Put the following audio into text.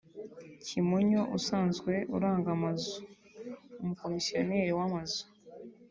Kimonyo usanzwe aranga amazu (umukomisiyoneri w’amazu)